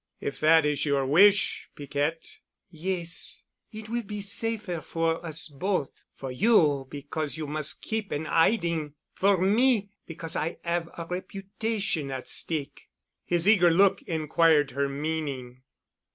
"If that is your wish, Piquette——" "Yes. It will be safer for us both, for you because you mus' keep in hiding—for me—because I 'ave a reputation at stake." His eager look inquired her meaning.